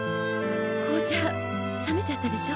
紅茶冷めちゃったでしょ。